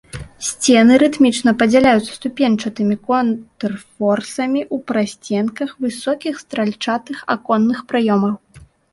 Сцены рытмічна падзяляюцца ступеньчатымі контрфорсамі ў прасценках высокіх стральчатых аконных праёмаў.